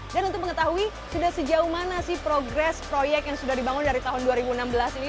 dan untuk mengetahui sudah sejauh mana sih progres proyek yang sudah dibangun dari tahun dua ribu enam belas ini